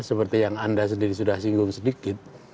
seperti yang anda sendiri sudah singgung sedikit